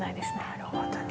なるほどね。